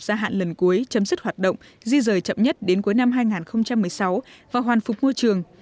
gia hạn lần cuối chấm dứt hoạt động di rời chậm nhất đến cuối năm hai nghìn một mươi sáu và hoàn phục môi trường